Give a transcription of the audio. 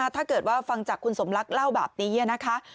ถ้าเกิดว่าฟังจากคุณสมรักเล่าแบบนี้นะคะ